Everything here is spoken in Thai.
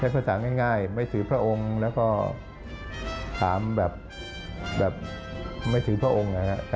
ภาษาง่ายไม่ถือพระองค์แล้วก็ถามแบบไม่ถือพระองค์นะครับ